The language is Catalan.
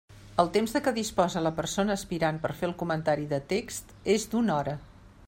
El temps de què disposa la persona aspirant per fer el comentari de text és d'una hora.